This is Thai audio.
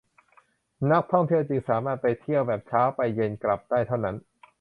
นักท่องเที่ยวจึงสามารถไปเที่ยวแบบเช้าไปเย็นกลับได้เท่านั้น